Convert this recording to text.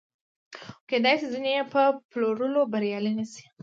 خو کېدای شي ځینې یې په پلورلو بریالي نشي